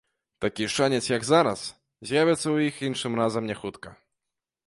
Такі шанец, як зараз, з'явіцца ў іх іншым разам не хутка.